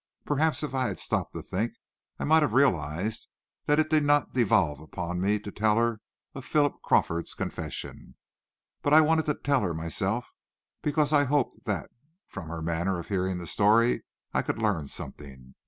Perhaps if I had stopped to think, I might have realized that it did not devolve upon me to tell her of Philip Crawford's confession. But I wanted to tell her myself, because I hoped that from her manner of hearing the story I could learn something.